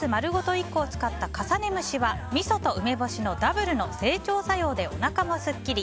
１個を使った重ね蒸しはみそと梅干しのダブルの整腸作用でおなかもすっきり。